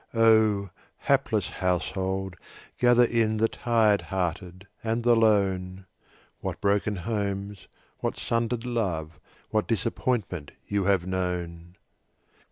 Oh, hapless household, gather in The tired hearted and the lone! What broken homes, what sundered love, What disappointment you have known!